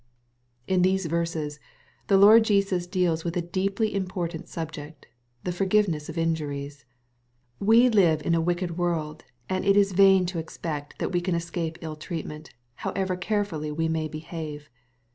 In these verses the Lord Jesus deals with a deeply im portant subject, — the forgiveness of injuries. We live in a wicked world, and it is vain to expect that we can escape ill treatment, however carefully we may behave.